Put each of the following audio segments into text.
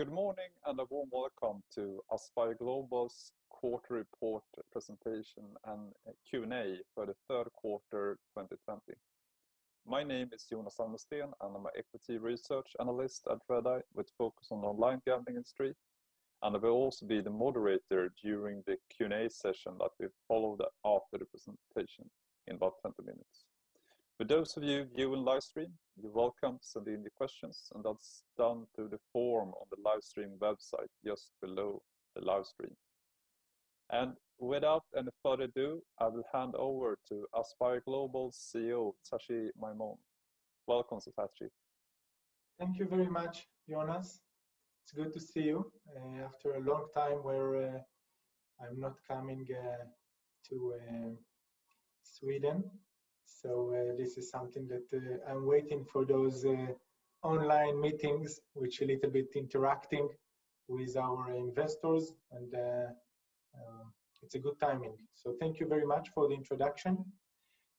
Good morning. A warm welcome to Aspire Global's quarter report presentation and Q&A for the third quarter 2020. My name is Jonas Amnesten. I'm an equity research analyst at Redeye, with focus on online gambling industry. I will also be the moderator during the Q&A session that will follow after the presentation in about 20 minutes. For those of you viewing live stream, you're welcome to send in the questions. That's done through the form on the live stream website just below the live stream. Without any further ado, I will hand over to Aspire Global CEO, Tsachi Maimon. Welcome, Tsachi. Thank you very much, Jonas. It's good to see you after a long time where I'm not coming to Sweden. This is something that I'm waiting for those online meetings, which a little bit interacting with our investors, and it's a good timing. Thank you very much for the introduction.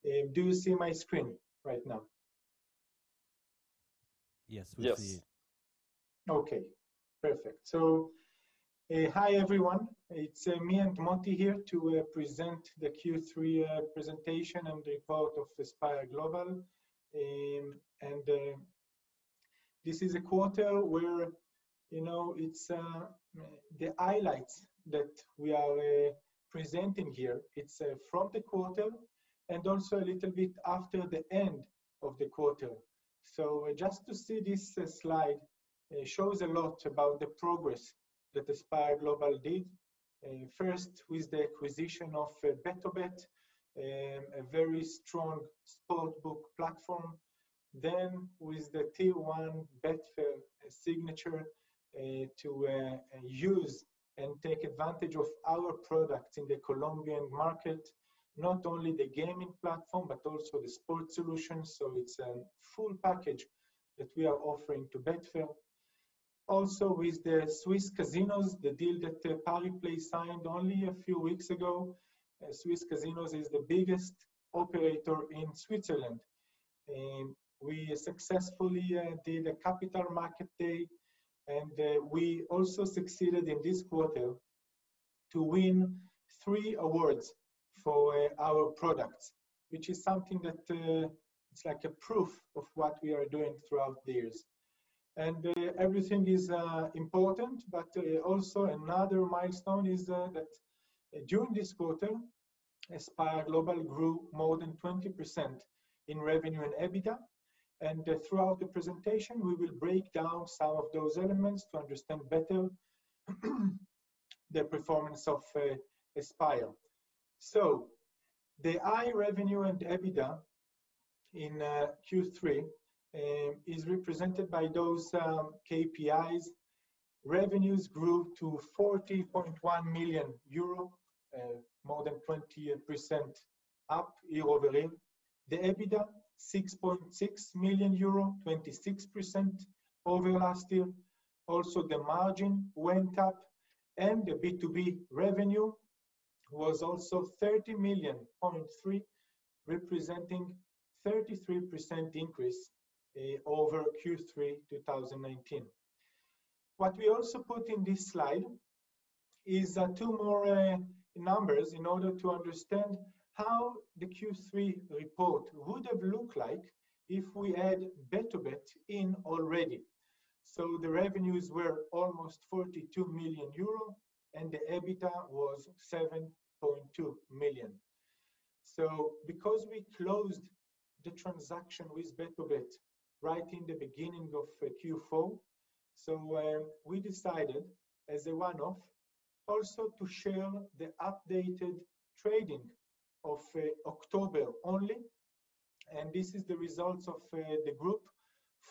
Do you see my screen right now? Yes, we see it. Yes Okay, perfect. Hi, everyone. It's me and Motti here to present the Q3 presentation and the report of Aspire Global. This is a quarter where it's the highlights that we are presenting here. It's from the quarter, and also a little bit after the end of the quarter. Just to see this slide, shows a lot about the progress that Aspire Global did. First, with the acquisition of BtoBet, a very strong sportsbook platform. With the Tier 1 Betfair signature to use and take advantage of our product in the Colombian market, not only the gaming platform, but also the sports solutions. It's a full package that we are offering to Betfair. Also, with the Swiss Casinos, the deal that Pariplay signed only a few weeks ago. Swiss Casinos is the biggest operator in Switzerland. We successfully did a capital market day. We also succeeded in this quarter to win three awards for our products, which is something that it's like a proof of what we are doing throughout the years. Everything is important, but also another milestone is that during this quarter, Aspire Global grew more than 20% in revenue and EBITDA. Throughout the presentation, we will break down some of those elements to understand better the performance of Aspire. The high revenue and EBITDA in Q3 is represented by those KPIs. Revenues grew to 40.1 million euro, more than 20% up year-over-year. EBITDA, 6.6 million euro, 26% over last year. The margin went up, and B2B revenue was also 30.3 million, representing 33% increase over Q3 2019. What we also put in this slide is two more numbers in order to understand how the Q3 report would have looked like if we had BtoBet in already. The revenues were almost 42 million euro, and the EBITDA was 7.2 million. Because we closed the transaction with BtoBet right in the beginning of Q4, so we decided, as a one-off, also to share the updated trading of October only, and this is the results of the group.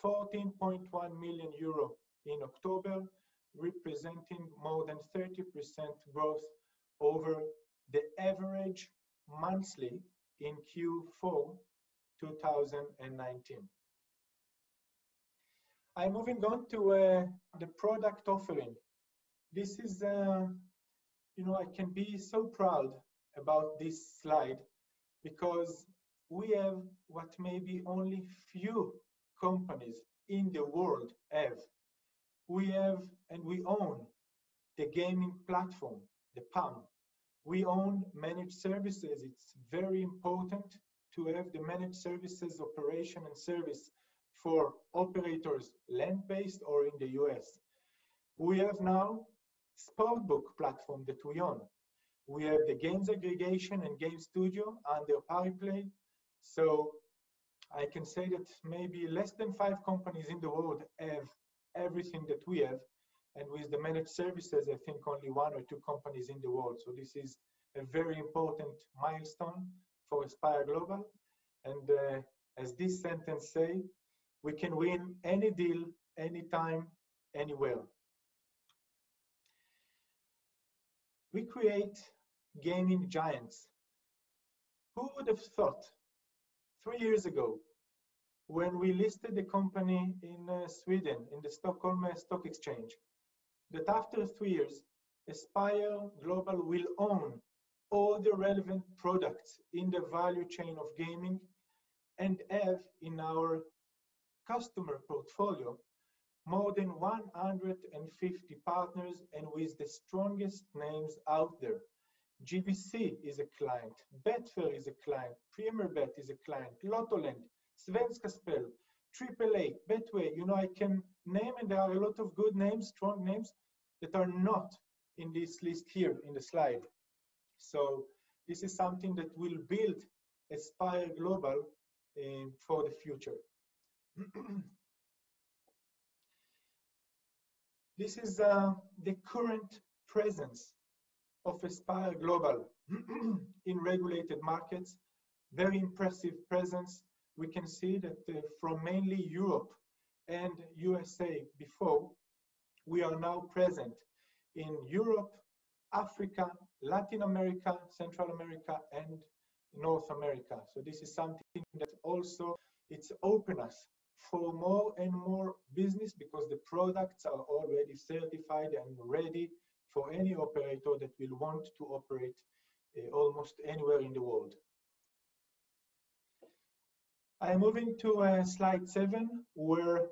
14.1 million euro in October, representing more than 30% growth over the average monthly in Q4 2019. I'm moving on to the product offering. I can be so proud about this slide because we have what maybe only few companies in the world have. We have and we own the gaming platform, the PAM. We own managed services. It's very important to have the managed services operation and service for operators, land-based or in the U.S. We have now sportsbook platform that we own. We have the games aggregation and game studio under Pariplay. I can say that maybe less than five companies in the world have everything that we have, and with the managed services, I think only one or two companies in the world. This is a very important milestone for Aspire Global. As this sentence say, we can win any deal, anytime, anywhere. We create gaming giants. Who would have thought? Three years ago, when we listed the company in Sweden, in the Stockholm Stock Exchange, that after three years, Aspire Global will own all the relevant products in the value chain of gaming and have in our customer portfolio more than 150 partners, and with the strongest names out there. GVC is a client, Betfair is a client, Premier Bet is a client, Lottoland, Svenska Spel, 888, Betway. I can name, and there are a lot of good names, strong names, that are not in this list here in the slide. This is something that will build Aspire Global for the future. This is the current presence of Aspire Global in regulated markets. Very impressive presence. We can see that from mainly Europe and U.S.A. before, we are now present in Europe, Africa, Latin America, Central America, and North America. This is something that also, it's opened us for more and more business because the products are already certified and ready for any operator that will want to operate almost anywhere in the world. I am moving to slide seven, where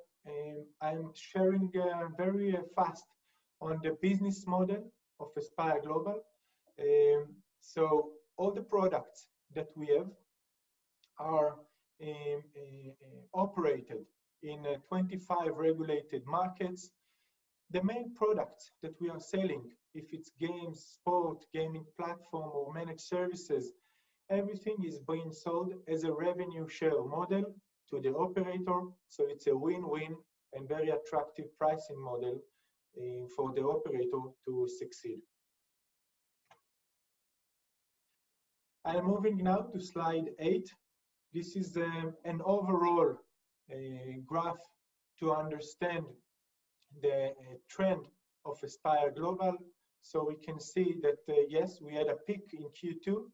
I'm sharing very fast on the business model of Aspire Global. All the products that we have are operated in 25 regulated markets. The main product that we are selling, if it's games, sport, gaming platform, or managed services, everything is being sold as a revenue share model to the operator. It's a win-win and very attractive pricing model for the operator to succeed. I am moving now to slide eight. This is an overall graph to understand the trend of Aspire Global. We can see that, yes, we had a peak in Q2,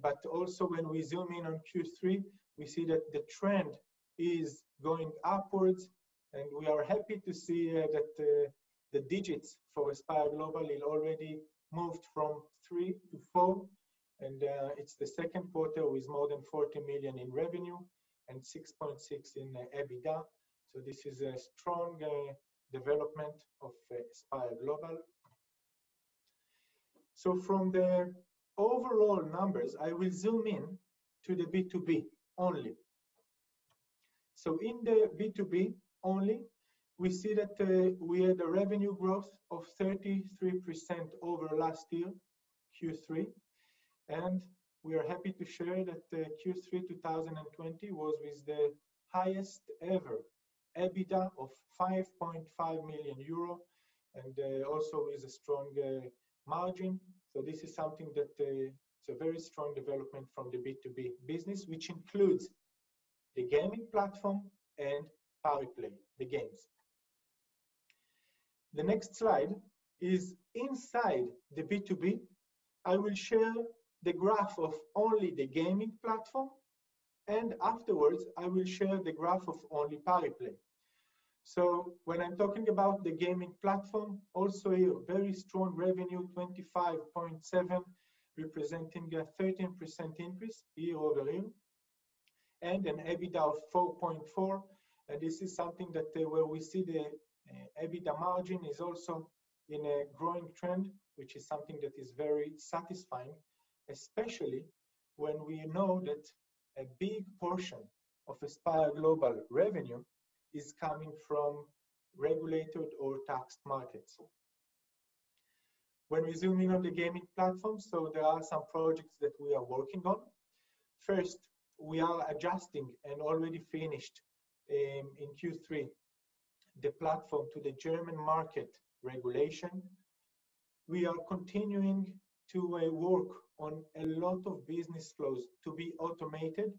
but also when we zoom in on Q3, we see that the trend is going upwards, and we are happy to see that the digits for Aspire Global already moved from three to four. It's the second quarter with more than 40 million in revenue and 6.6 in EBITDA. This is a strong development of Aspire Global. From the overall numbers, I will zoom in to the B2B only. In the B2B only, we see that we had a revenue growth of 33% over last year, Q3. We are happy to share that Q3 2020 was with the highest ever EBITDA of 5.5 million euro, and also with a strong margin. This is something that it's a very strong development from the B2B business, which includes the gaming platform and Pariplay, the games. The next slide is inside the B2B. I will share the graph of only the gaming platform, and afterwards, I will share the graph of only Pariplay. When I'm talking about the gaming platform, also a very strong revenue, 25.7, representing a 13% increase year-over-year, and an EBITDA of 4.4. This is something that where we see the EBITDA margin is also in a growing trend, which is something that is very satisfying, especially when we know that a big portion of Aspire Global revenue is coming from regulated or taxed markets. When we zoom in on the gaming platform, there are some projects that we are working on. First, we are adjusting and already finished, in Q3, the platform to the German market regulation. We are continuing to work on a lot of business flows to be automated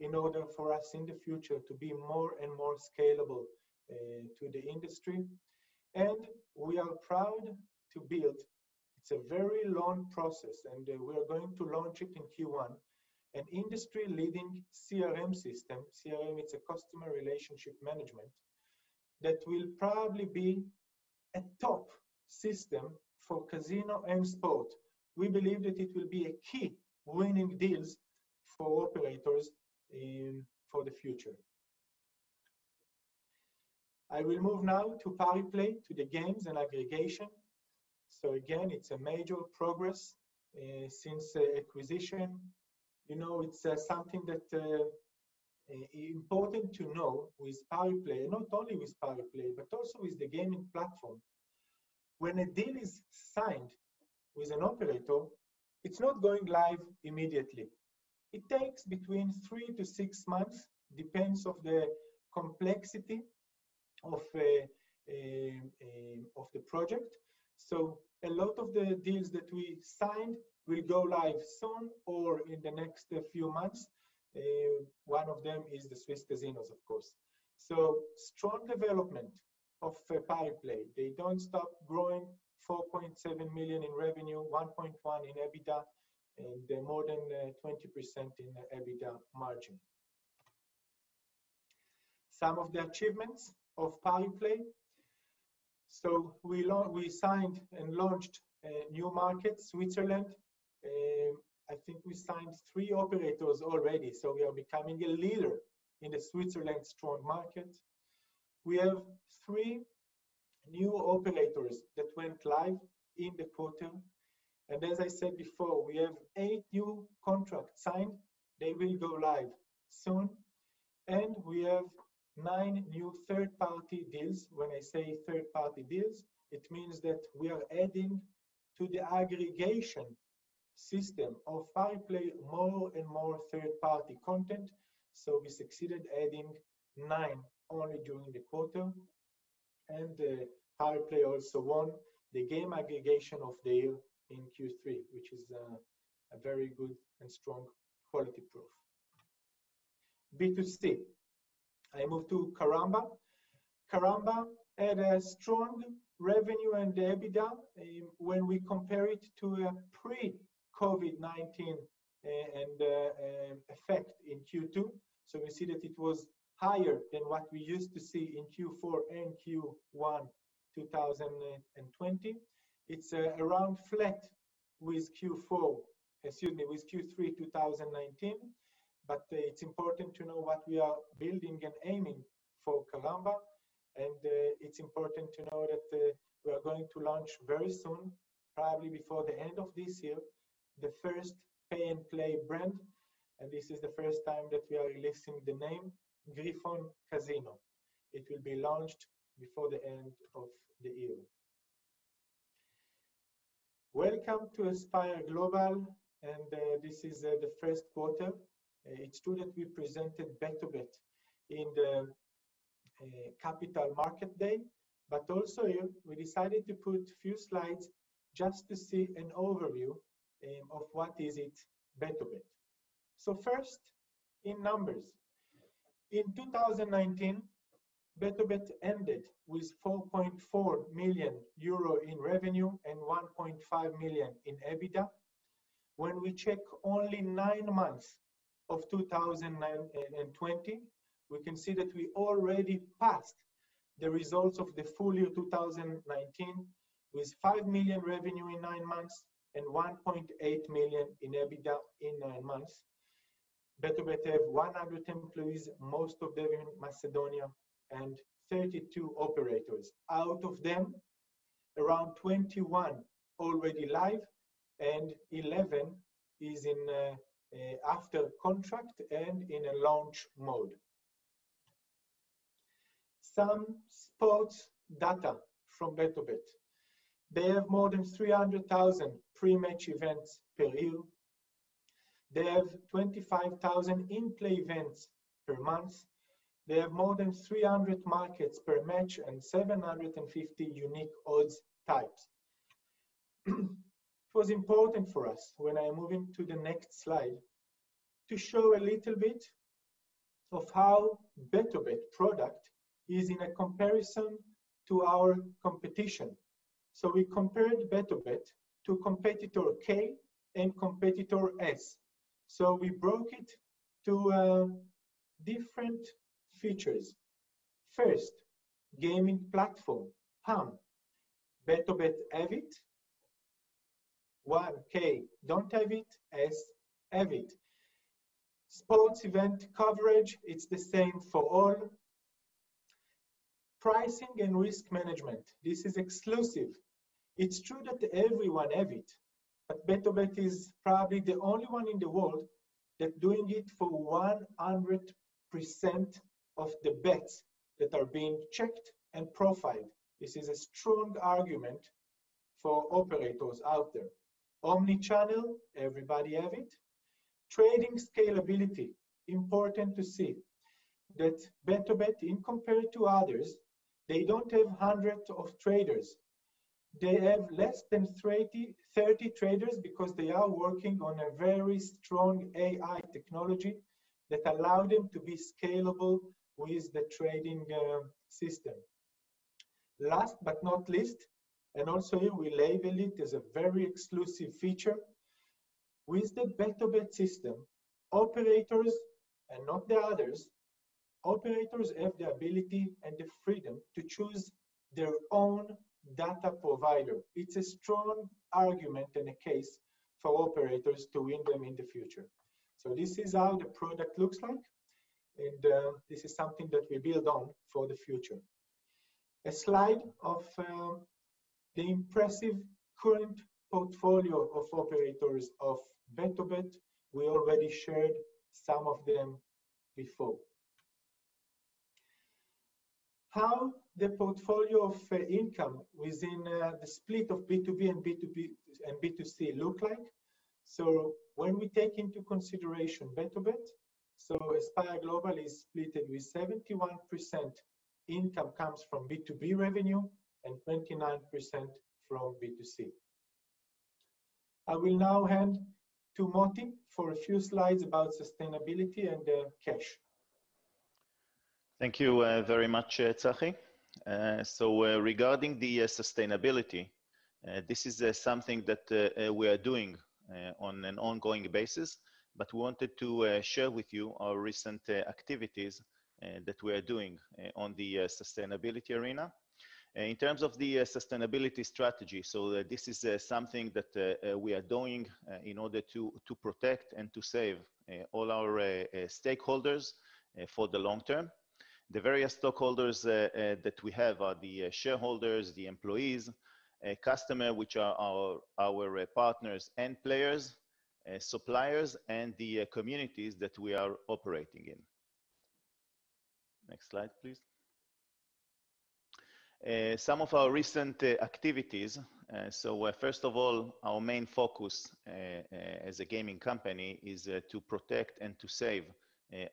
in order for us in the future to be more and more scalable to the industry. We are proud to build, it's a very long process, and we are going to launch it in Q1, an industry-leading CRM system, CRM, it's a customer relationship management, that will probably be a top system for casino and sport. We believe that it will be a key winning deals for operators for the future. I will move now to Pariplay, to the games aggregation. Again, it's a major progress since acquisition. It's something that important to know with Pariplay, not only with Pariplay, but also with the gaming platform. When a deal is signed with an operator, it's not going live immediately. It takes between three to six months, depends of the complexity of the project. A lot of the deals that we signed will go live soon or in the next few months. One of them is the Swiss Casinos, of course. Strong development of Pariplay. They don't stop growing, 4.7 million in revenue, 1.1 million in EBITDA, and more than 20% in EBITDA margin. Some of the achievements of Pariplay. We signed and launched a new market, Switzerland. I think we signed three operators already, so we are becoming a leader in the Switzerland strong market. We have three new operators that went live in the quarter. As I said before, we have eight new contracts signed. They will go live soon. We have nine new third-party deals. When I say third-party deals, it means that we are adding to the aggregation system of Pariplay more and more third-party content. We succeeded adding nine only during the quarter. Pariplay also won the game aggregation of the year in Q3, which is a very good and strong quality proof. B2C. I move to Karamba. Karamba had a strong revenue and EBITDA when we compare it to a pre-COVID-19 effect in Q2. We see that it was higher than what we used to see in Q4 and Q1 2020. It's around flat with Q3 2019, but it's important to know what we are building and aiming for Karamba, and it's important to know that we are going to launch very soon, probably before the end of this year, the first Pay N Play brand, and this is the first time that we are releasing the name, Griffon Casino. It will be launched before the end of the year. Welcome to Aspire Global, and this is the first quarter. It's true that we presented BtoBet in the capital market day, but also here we decided to put few slides just to see an overview of what is BtoBet. First, in numbers. In 2019, BtoBet ended with 4.4 million euro in revenue and 1.5 million in EBITDA. When we check only nine months of 2019 and 2020, we can see that we already passed the results of the full year 2019, with 5 million revenue in nine months and 1.8 million in EBITDA in nine months. BtoBet have 100 employees, most of them in Macedonia, and 32 operators. Out of them, around 21 already live and 11 is in after contract and in a launch mode. Some sports data from BtoBet. They have more than 300,000 pre-match events per year. They have 25,000 in-play events per month. They have more than 300 markets per match and 750 unique odds types. It was important for us, when I am moving to the next slide, to show a little bit of how BtoBet product is in a comparison to our competition. We compared BtoBet to competitor K and competitor S. We broke it to different features. First, gaming platform, PAM. BtoBet have it, while K don't have it, S have it. Sports event coverage, it's the same for all. Pricing and risk management, this is exclusive. It's true that everyone have it, but BtoBet is probably the only one in the world that doing it for 100% of the bets that are being checked and profiled. This is a strong argument for operators out there. omnichannel, everybody have it. Trading scalability, important to see that BtoBet, in compared to others, they don't have 100 of traders. They have less than 30 traders because they are working on a very strong AI technology that allow them to be scalable with the trading system. Last but not least, also here we label it as a very exclusive feature, with the BtoBet system, operators, and not the others, operators have the ability and the freedom to choose their own data provider. It's a strong argument and a case for operators to win them in the future. This is how the product looks like, and this is something that we build on for the future. A slide of the impressive current portfolio of operators of BtoBet. We already shared some of them before. How the portfolio of income within the split of B2B and B2C look like. When we take into consideration BtoBet, so Aspire Global is split with 71% income comes from B2B revenue and 29% from B2C. I will now hand to Motti for a few slides about sustainability and cash. Thank you very much, Tsachi. Regarding the sustainability, this is something that we are doing on an ongoing basis, but wanted to share with you our recent activities that we are doing on the sustainability arena. In terms of the sustainability strategy, this is something that we are doing in order to protect and to save all our stakeholders for the long term. The various stakeholders that we have are the shareholders, the employees, customer, which are our partners and players, suppliers, and the communities that we are operating in. Next slide, please. Some of our recent activities. First of all, our main focus, as a gaming company, is to protect and to save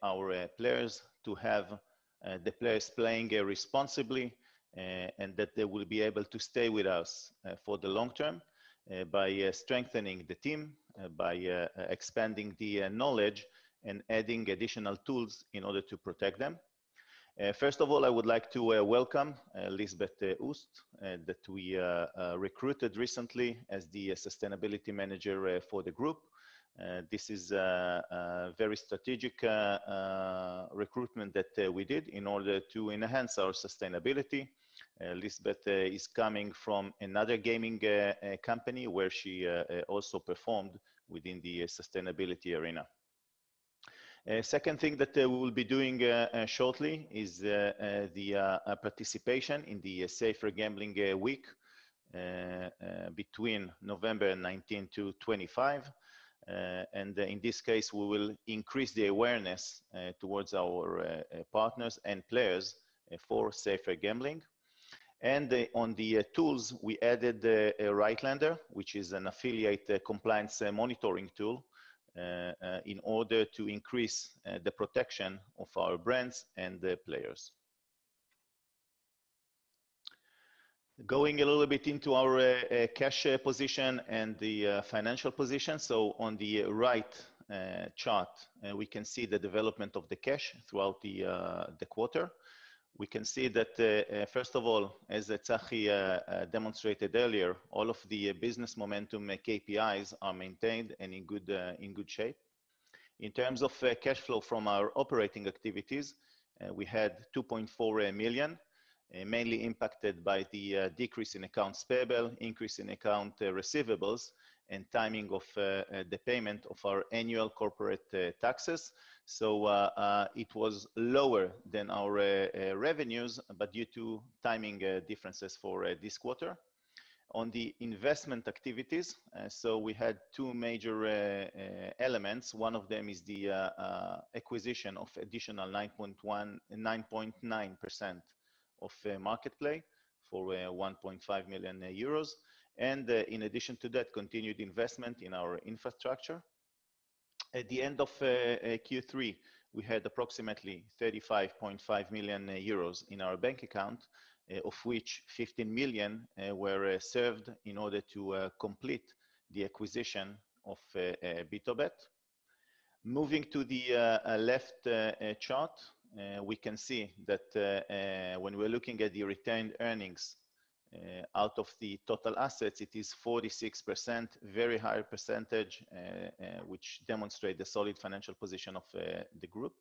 our players, to have the players playing responsibly, and that they will be able to stay with us for the long term by strengthening the team, by expanding the knowledge, and adding additional tools in order to protect them. First of all, I would like to welcome Liesbeth Oost, that we recruited recently as the Sustainability Manager for the group. This is a very strategic recruitment that we did in order to enhance our sustainability. Liesbeth is coming from another gaming company where she also performed within the sustainability arena. Second thing that we will be doing shortly is the participation in the Safer Gambling Week between November 19 to 25. In this case, we will increase the awareness towards our partners and players for safer gambling. On the tools, we added Rightlander, which is an affiliate compliance monitoring tool, in order to increase the protection of our brands and the players. Going a little bit into our cash position and the financial position. On the right chart, we can see the development of the cash throughout the quarter. We can see that, first of all, as Tsachi demonstrated earlier, all of the business momentum KPIs are maintained and in good shape. In terms of cash flow from our operating activities, we had 2.4 million, mainly impacted by the decrease in accounts payable, increase in accounts receivables, and timing of the payment of our annual corporate taxes. It was lower than our revenues, but due to timing differences for this quarter. On the investment activities, we had two major elements. One of them is the acquisition of additional 9.9% of Marketplay for 1.5 million euros. In addition to that, continued investment in our infrastructure. At the end of Q3, we had approximately 35.5 million euros in our bank account, of which 15 million were reserved in order to complete the acquisition of BtoBet. Moving to the left chart, we can see that when we're looking at the retained earnings out of the total assets, it is 46%, very high percentage, which demonstrate the solid financial position of the group.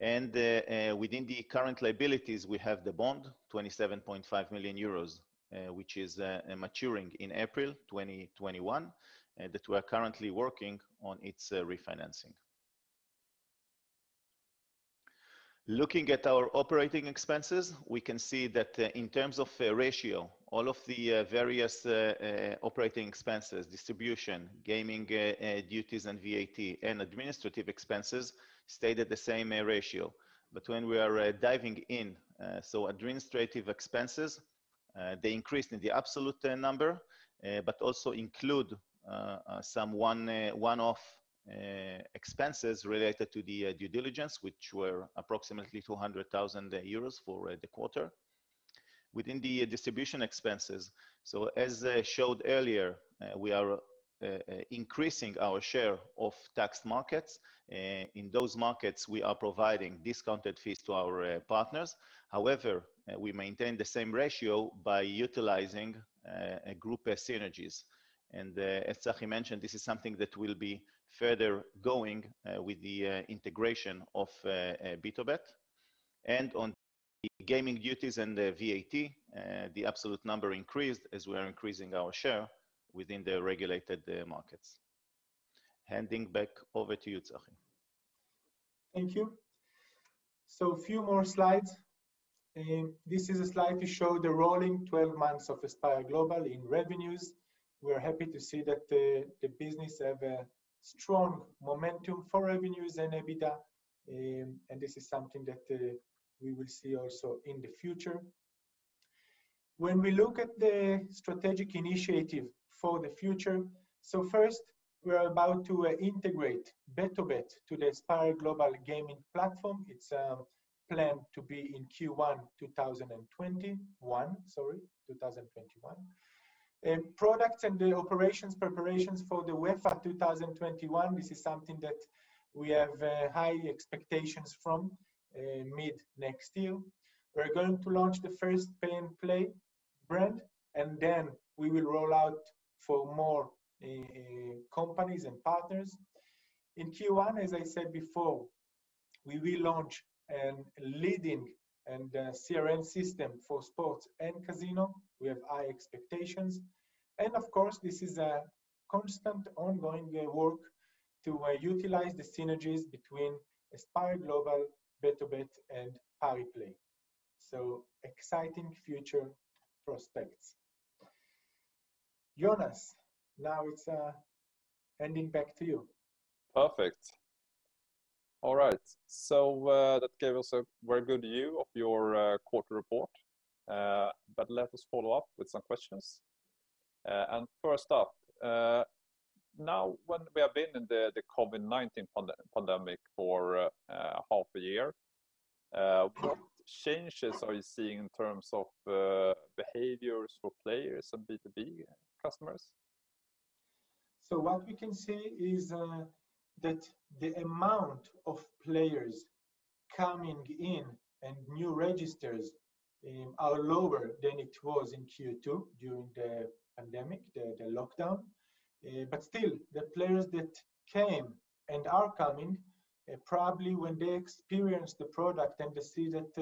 Within the current liabilities, we have the bond, 27.5 million euros, which is maturing in April 2021, that we are currently working on its refinancing. Looking at our operating expenses, we can see that in terms of ratio, all of the various operating expenses, distribution, gaming duties and VAT, and administrative expenses, stayed at the same ratio. When we are diving in, administrative expenses, they increased in the absolute number, but also include some one-off expenses related to the due diligence, which were approximately 200,000 euros for the quarter. Within the distribution expenses, as I showed earlier, we are increasing our share of taxed markets. In those markets, we are providing discounted fees to our partners. However, we maintain the same ratio by utilizing group synergies. As Tsachi mentioned, this is something that will be further going with the integration of BtoBet. On the gaming duties and the VAT, the absolute number increased as we are increasing our share within the regulated markets. Handing back over to you, Tsachi. Thank you. A few more slides. This is a slide to show the rolling 12 months of Aspire Global in revenues. We are happy to see that the business have a strong momentum for revenues and EBITDA, and this is something that we will see also in the future. When we look at the strategic initiative for the future, so first we are about to integrate BtoBet to the Aspire Global Gaming platform. It's planned to be in Q1 2021. Products and the operations preparations for the UEFA 2021, this is something that we have high expectations from mid next year. We're going to launch the first Pay N Play brand, and then we will roll out for more companies and partners. In Q1, as I said before, we will launch a leading and CRM system for sports and casino. We have high expectations, of course, this is a constant ongoing work to utilize the synergies between Aspire Global, BtoBet, and Pariplay. Exciting future prospects. Jonas, now it's handing back to you. Perfect. All right. That gave us a very good view of your quarter report, but let us follow up with some questions. First up, now when we have been in the COVID-19 pandemic for half a year, what changes are you seeing in terms of behaviors for players and B2B customers? What we can say is that the amount of players coming in and new registers are lower than it was in Q2 during the pandemic, the lockdown. Still, the players that came and are coming, probably when they experience the product and they see that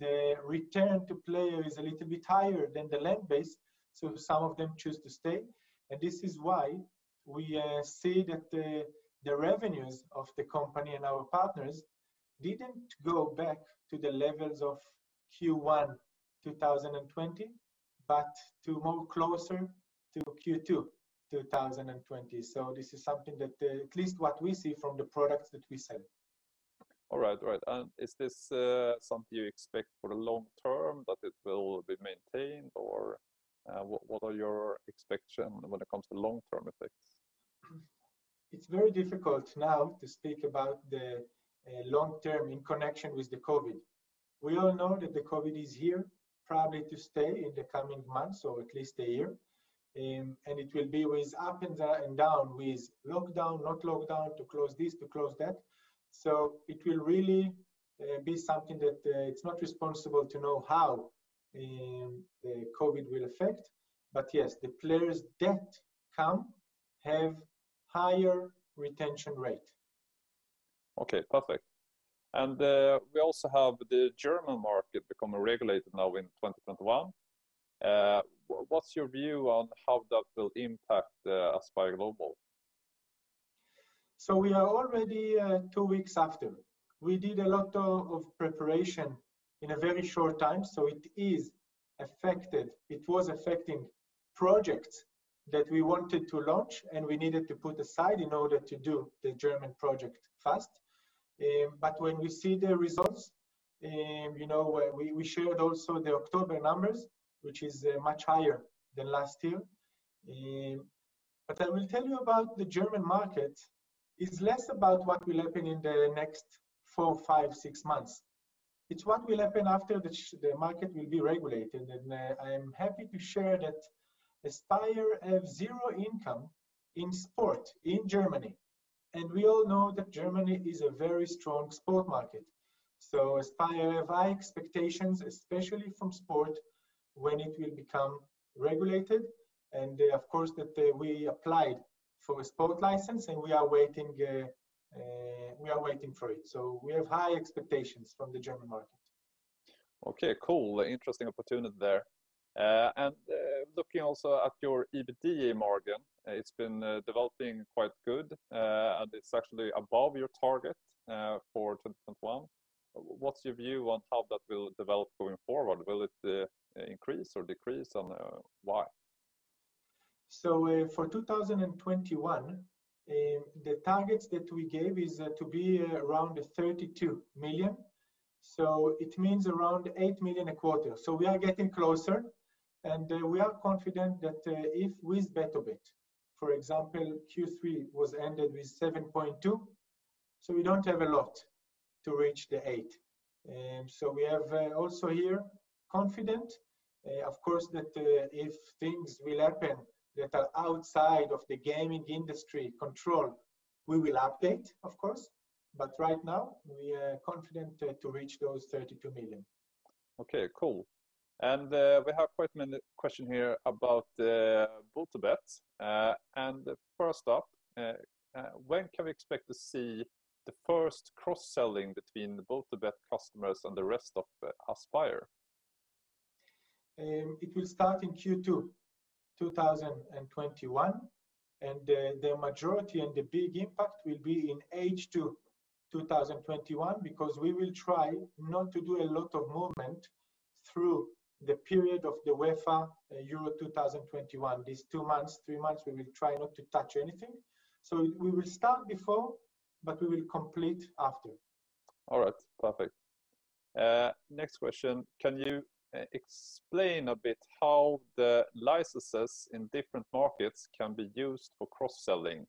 the return to player is a little bit higher than the land-based, so some of them choose to stay. This is why we see that the revenues of the company and our partners didn't go back to the levels of Q1 2020, but to more closer to Q2 2020. This is something that, at least what we see from the products that we sell. All right. Is this something you expect for the long term, that it will be maintained, or what are your expectation when it comes to long-term effects? It's very difficult now to speak about the long term in connection with the COVID. We all know that the COVID is here, probably to stay in the coming months, or at least a year. It will be with up and down, with lockdown, not lockdown, to close this, to close that. It will really be something that it's not responsible to know how the COVID will affect. Yes, the players that come have higher retention rate. Okay, perfect. We also have the German market become a regulator now in 2021. What's your view on how that will impact Aspire Global? We are already two weeks after. We did a lot of preparation in a very short time, it is affected. It was affecting projects that we wanted to launch, and we needed to put aside in order to do the German project fast. When we see the results, we shared also the October numbers, which is much higher than last year. I will tell you about the German market, it's less about what will happen in the next four, five, six months. It's what will happen after the market will be regulated, I am happy to share that Aspire have zero income in sport in Germany, we all know that Germany is a very strong sport market. Aspire have high expectations, especially from sport, when it will become regulated, and of course, that we applied for a sport license, and we are waiting for it. We have high expectations from the German market. Okay, cool. Interesting opportunity there. Looking also at your EBITDA margin, it's been developing quite good, and it's actually above your target for 2021. What's your view on how that will develop going forward? Will it increase or decrease, and why? For 2021, the targets that we gave is to be around the 32 million, it means around 8 million a quarter. We are getting closer, and we are confident that if with BtoBet, for example, Q3 was ended with 7.2 million, so we don't have a lot to reach the 8 million. We have also here confident, of course, that if things will happen that are outside of the gaming industry control, we will update, of course. Right now, we are confident to reach those 32 million. Okay, cool. We have quite many question here about BtoBet. First up, when can we expect to see the first cross-selling between BtoBet customers and the rest of Aspire? It will start in Q2 2021, and the majority and the big impact will be in H2 2021, because we will try not to do a lot of movement through the period of the UEFA Euro 2021. These two months, three months, we will try not to touch anything. We will start before, but we will complete after. All right. Perfect. Next question. Can you explain a bit how the licenses in different markets can be used for cross-selling?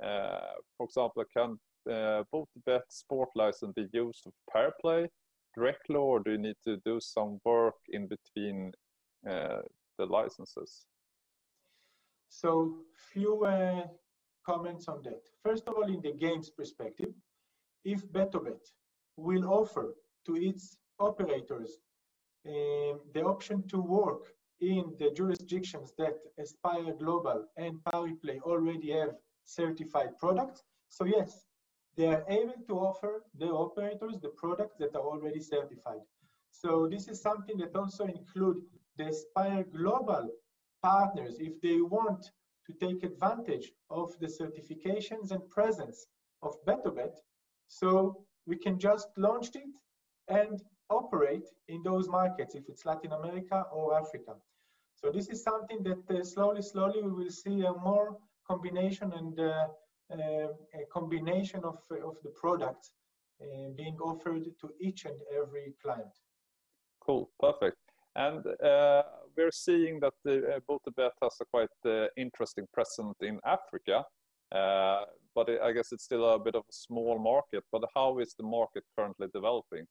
For example, can BtoBet sport license be used for Pariplay directly, or do you need to do some work in between the licenses? Few comments on that. First of all, in the games perspective, if BtoBet will offer to its operators the option to work in the jurisdictions that Aspire Global and Pariplay already have certified product, so yes, they are able to offer the operators the products that are already certified. This is something that also include the Aspire Global partners, if they want to take advantage of the certifications and presence of BtoBet, so we can just launch it and operate in those markets, if it's Latin America or Africa. This is something that slowly we will see a more combination of the product being offered to each and every client. Cool. Perfect. We're seeing that BtoBet has a quite interesting presence in Africa. I guess it's still a bit of a small market, but how is the market currently developing?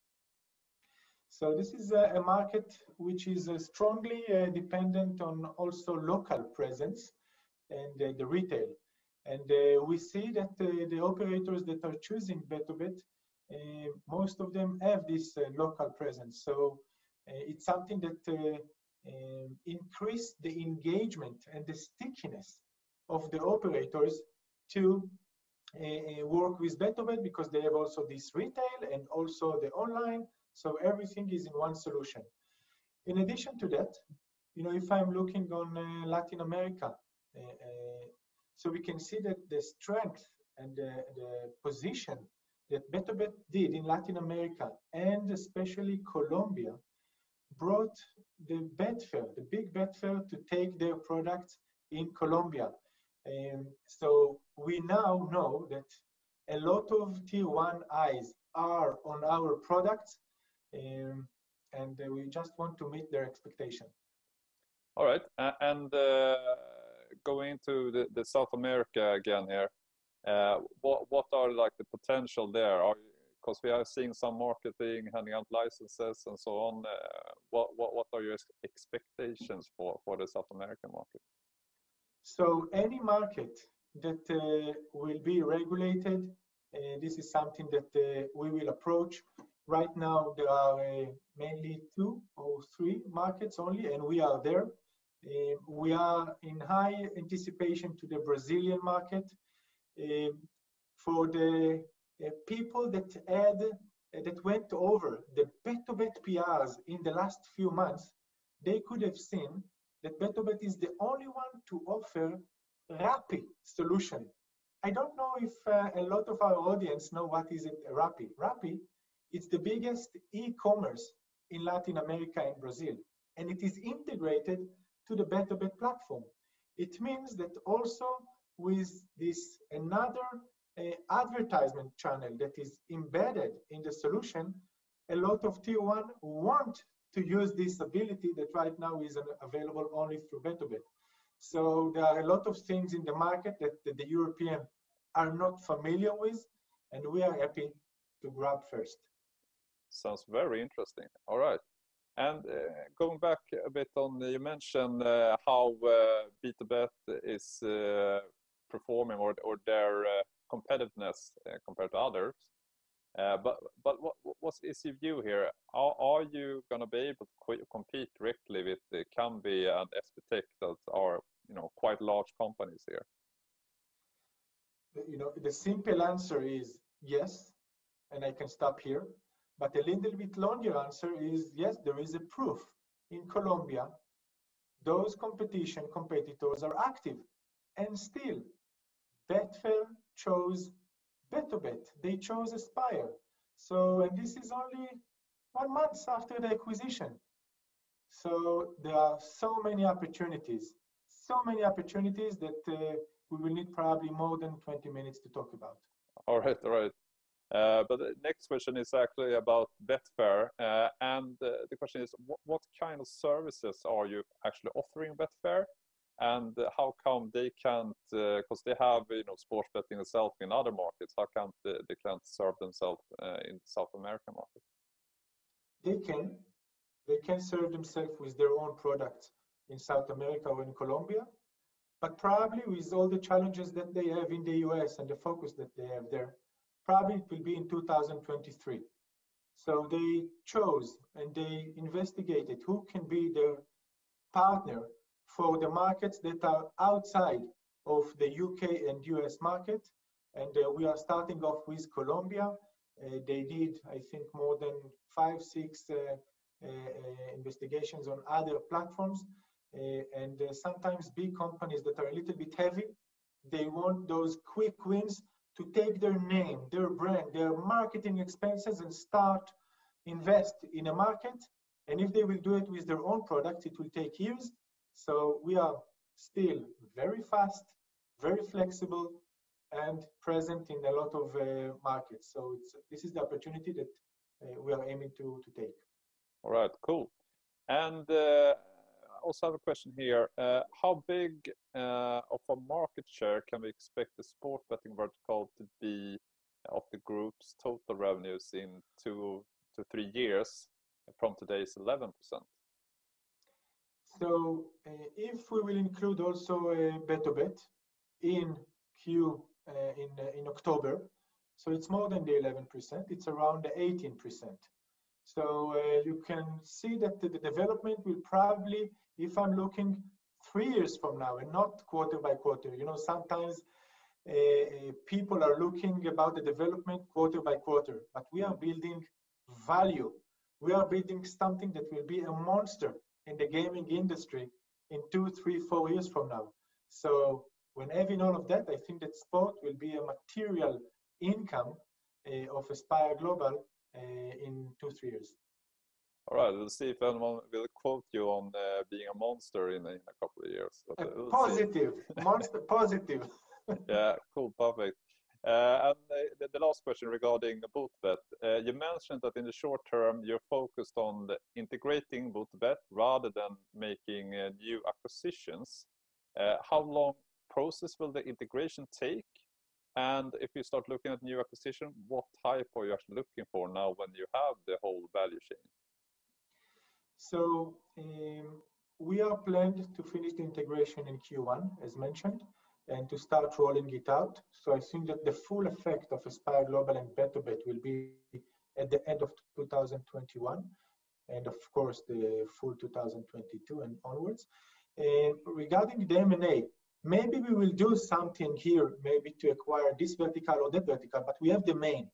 This is a market which is strongly dependent on also local presence and the retail. We see that the operators that are choosing BtoBet, most of them have this local presence. It's something that increase the engagement and the stickiness of the operators to work with BtoBet because they have also this retail and also the online. Everything is in one solution. In addition to that, if I'm looking on Latin America, we can see that the strength and the position that BtoBet did in Latin America, and especially Colombia, brought the big Betfair to take their product in Colombia. We now know that a lot of Tier 1 eyes are on our product, and we just want to meet their expectation. All right. Going to South America again here, what are the potential there? We are seeing some marketing, handing out licenses, and so on. What are your expectations for the South American market? Any market that will be regulated, this is something that we will approach. Right now, there are mainly two or three markets only, and we are there. We are in high anticipation to the Brazilian market. For the people that went over the BtoBet PRs in the last few months, they could have seen that BtoBet is the only one to offer Rappi solution. I don't know if a lot of our audience know what is a Rappi? Rappi is the biggest e-commerce in Latin America and Brazil, and it is integrated to the BtoBet platform. It means that also with this, another advertisement channel that is embedded in the solution, a lot of Tier 1 want to use this ability that right now is available only through BtoBet. There are a lot of things in the market that the European are not familiar with, and we are happy to grab first. Sounds very interesting. All right. Going back a bit on, you mentioned how BtoBet is performing or their competitiveness compared to others. What is your view here? Are you going to be able to compete directly with the Kambi and SBTech that are quite large companies here? The simple answer is yes, and I can stop here, but a little bit longer answer is yes, there is a proof in Colombia. Those competitors are active, and still Betfair chose BtoBet. They chose Aspire. And this is only one month after the acquisition, so there are so many opportunities that we will need probably more than 20 minutes to talk about. All right. The next question is actually about Betfair, and the question is, what kind of services are you actually offering Betfair? Because they have sports betting itself in other markets, how come they can't serve themselves in South American market? They can serve themselves with their own product in South America or in Colombia, but probably with all the challenges that they have in the U.S. and the focus that they have there, probably it will be in 2023. They chose, and they investigated who can be their partner for the markets that are outside of the U.K. and U.S. market, and we are starting off with Colombia. They did, I think, more than five, six investigations on other platforms, and sometimes big companies that are a little bit heavy, they want those quick wins to take their name, their brand, their marketing expenses, and start invest in a market. If they will do it with their own product, it will take years, so we are still very fast, very flexible, and present in a lot of markets. This is the opportunity that we are aiming to take. All right, cool. I also have a question here. How big of a market share can we expect the sports betting vertical to be of the group's total revenues in 2-3 years from today's 11%? If we will include also BtoBet in October, it's more than the 11%, it's around 18%. You can see that the development will probably, if I'm looking three years from now and not quarter by quarter. Sometimes, people are looking about the development quarter by quarter, but we are building value. We are building something that will be a monster in the gaming industry in two, three, four years from now. When adding all of that, I think that sport will be a material income of Aspire Global in two, three years. All right. Let's see if anyone will quote you on being a monster in a couple of years. We'll see. A positive. Monster positive. Yeah. Cool. Perfect. The last question regarding the BtoBet. You mentioned that in the short term, you're focused on integrating BtoBet rather than making new acquisitions. How long process will the integration take? If you start looking at new acquisition, what type are you actually looking for now when you have the whole value chain? We are planned to finish the integration in Q1, as mentioned, and to start rolling it out. I think that the full effect of Aspire Global and BtoBet will be at the end of 2021, and of course, the full 2022 and onwards. Regarding the M&A, maybe we will do something here, maybe to acquire this vertical or that vertical, but we have the main.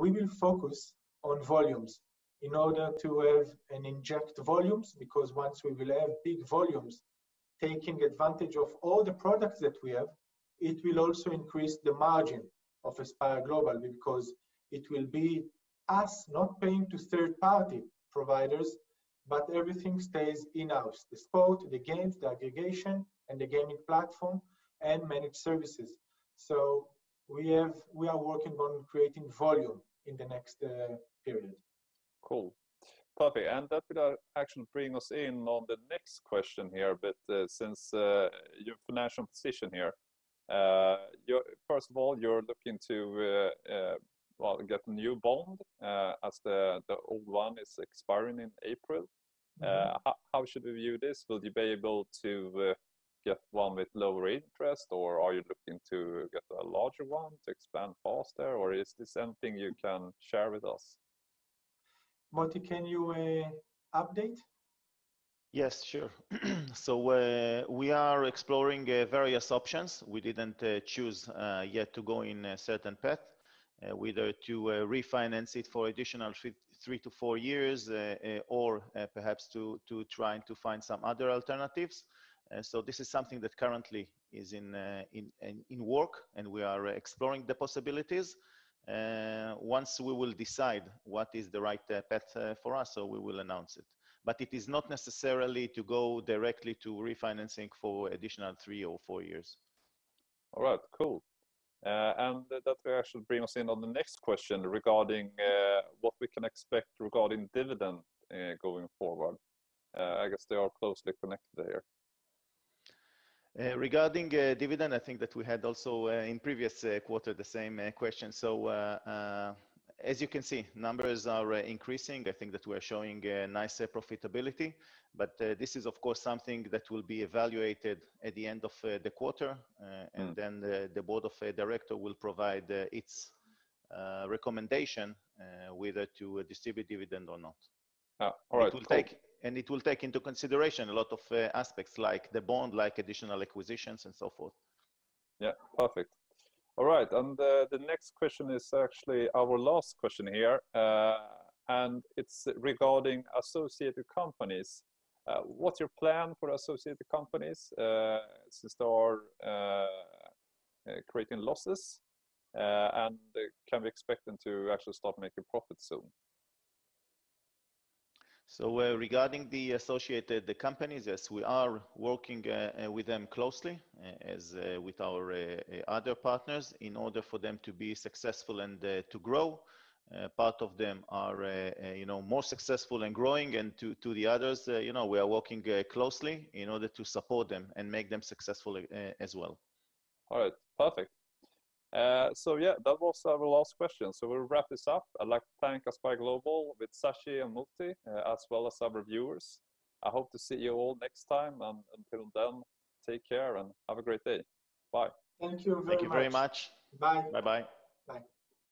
We will focus on volumes in order to have and inject volumes, because once we will have big volumes, taking advantage of all the products that we have, it will also increase the margin of Aspire Global because it will be us not paying to third-party providers, but everything stays in-house, the sport, the games, the aggregation, and the gaming platform, and managed services. We are working on creating volume in the next period. Cool. Perfect. That will actually bring us in on the next question here a bit, since your financial position here. First of all, you're looking to get new bond, as the old one is expiring in April. How should we view this? Will you be able to get one with lower interest, or are you looking to get a larger one to expand faster, or is this something you can share with us? Motti, can you update? Yes, sure. We are exploring various options. We didn't choose yet to go in a certain path, whether to refinance it for additional three to four years, or perhaps to trying to find some other alternatives. This is something that currently is in work, and we are exploring the possibilities. Once we will decide what is the right path for us, so we will announce it. It is not necessarily to go directly to refinancing for additional three or four years. All right, cool. That will actually bring us in on the next question regarding what we can expect regarding dividend going forward. I guess they are closely connected here. Regarding dividend, I think that we had also in previous quarter the same question. As you can see, numbers are increasing. I think that we're showing a nice profitability. This is, of course, something that will be evaluated at the end of the quarter. The board of directors will provide its recommendation, whether to distribute dividend or not. All right. Cool. It will take into consideration a lot of aspects like the bond, like additional acquisitions and so forth. Yeah. Perfect. All right, the next question is actually our last question here, and it's regarding associated companies. What's your plan for associated companies since they are creating losses? Can we expect them to actually start making profit soon? Regarding the associated companies, as we are working with them closely as with our other partners in order for them to be successful and to grow. Part of them are more successful and growing, and to the others, we are working closely in order to support them and make them successful as well. All right. Perfect. Yeah, that was our last question. We'll wrap this up. I'd like to thank Aspire Global with Tsachi and Motti, as well as our viewers. I hope to see you all next time, and until then, take care and have a great day. Bye. Thank you very much. Thank you very much. Bye. Bye-bye. Bye.